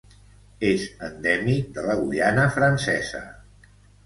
És endèmic de la Guyana francesa.